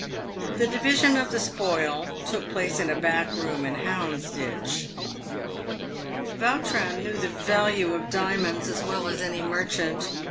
The division of the spoil took place in a back room in Hounds 384 PAVED WITH GOLD. ditch. Yautrin knew the value of diamonds as well as any merchant.